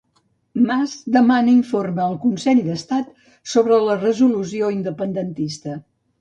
Mas demana informe al Consell d'Estat sobre la resolució independentista.